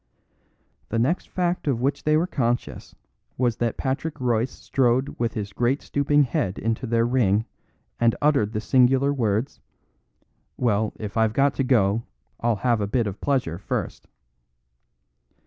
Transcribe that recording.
The next fact of which they were conscious was that Patrick Royce strode with his great stooping head into their ring and uttered the singular words: "Well, if I've got to go, I'll have a bit of pleasure first."